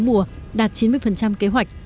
mùa đạt chín mươi kế hoạch